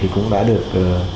cũng đã được